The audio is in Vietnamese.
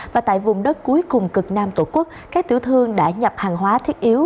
và tại vùng đất cuối cùng cực nam tổ quốc các tiểu thương đã nhập hàng hóa thiết yếu